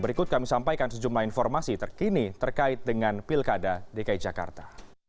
berikut kami sampaikan sejumlah informasi terkini terkait dengan pilkada dki jakarta